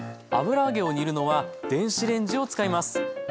油揚げを煮るのは電子レンジを使います。